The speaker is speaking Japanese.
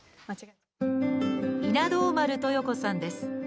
稲童丸とよ子さんです。